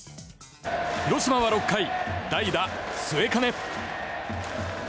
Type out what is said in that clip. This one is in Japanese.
広島は６回代打、末包。